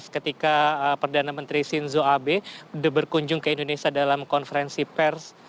ketika perdana menteri shinzo abe berkunjung ke indonesia dalam konferensi pers